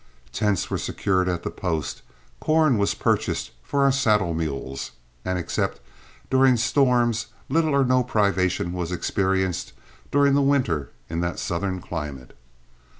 Tents were secured at the post; corn was purchased for our saddle mules; and except during storms little or no privation was experienced during the winter in that southern climate.